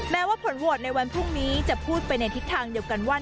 แม้ว่าผลโหวตในวันพรุ่งนี้จะพูดไปในทิศทางเดียวกันว่า